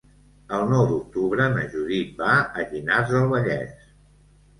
El nou d'octubre na Judit va a Llinars del Vallès.